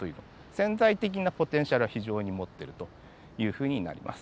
潜在的なポテンシャルは非常に持ってるというふうになります。